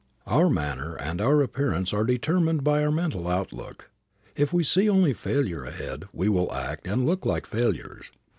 Our manner and our appearance are determined by our mental outlook. If we see only failure ahead we will act and look like failures.